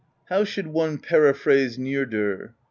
"How should one periphrase Njordr?